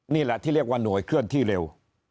นี่แหละที่เรียกว่าหน่วยเคลื่อนที่เร็ว